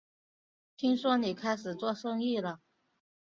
听说你开始做生意了